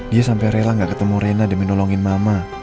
dia sampai rela gak ketemu rena demi nolongin mama